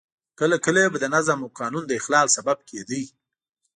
کله کله به د نظم او قانون د اخلال سبب کېده.